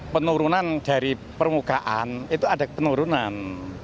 penurunan dari permukaan itu ada penurunan